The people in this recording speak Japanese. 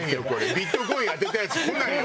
ビットコイン当てたヤツ来ないよ